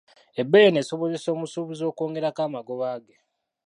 Ebbeeyi eno eneesobozesa omusuubuzi okwongerako amagoba ge?